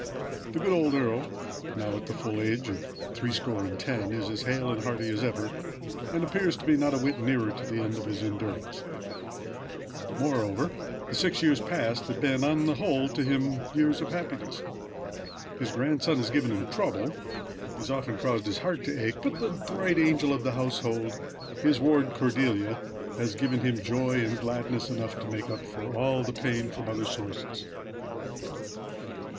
The good old earl, now at the full age of three score and ten, is as hale and hearty as ever, and appears to be not a whit nearer to the end of his endurance. Moreover, the six years last past have been, on the whole, to him years of happiness. His grandson has given him trouble has often caused his heart to ache; but the bright angel of the household his ward Cordelia has given him joy and gladness enough to make up for all the pain from other sources.